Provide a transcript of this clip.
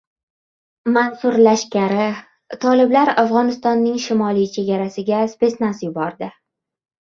"Mansur lashkari": toliblar Afg‘onistonning shimoliy chegarasiga spesnaz yubordi